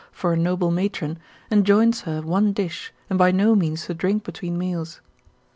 for a noble matron enjoins her one dish, and by no means to drink between meals.